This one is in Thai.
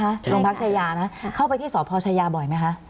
ใช่ค่ะลงพักชายานะครับเข้าไปที่สอบพอชายาบ่อยไหมคะ